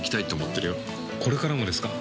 これからもですか？